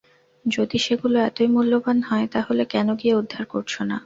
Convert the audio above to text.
যদি সেগুলো এতই মূল্যবান হয়, তাহলে কেন গিয়ে উদ্ধার করছো না?